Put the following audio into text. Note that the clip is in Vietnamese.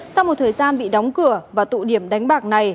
sau một thời gian bị đóng cửa và tụ điểm đánh bạc này